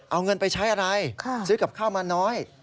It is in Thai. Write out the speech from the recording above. เอาเงินไปใช้อะไรซื้อกับข้าวมาน้อย